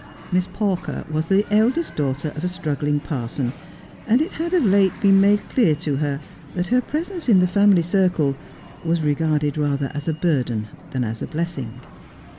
Miss Pawker was the eldest daughter of a struggling parson, and it had of late been made clear to her that her presence in the family circle was regarded rather as a burden than as a blessing.